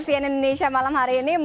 sian indonesia malam hari ini